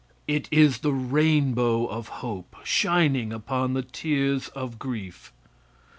It is the rainbow of hope shining upon the tears of grief.